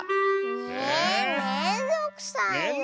えめんどくさいよ。